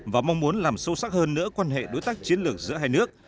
và mong muốn làm sâu sắc hơn nữa quan hệ đối tác chiến lược giữa hai nước